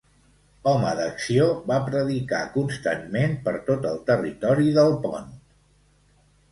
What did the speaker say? Home d'acció, va predicar constantment per tot el territori del Pont.